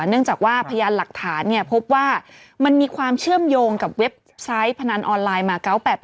เนื่องจากว่าพยานหลักฐานพบว่ามันมีความเชื่อมโยงกับเว็บไซต์พนันออนไลน์มา๙๘๘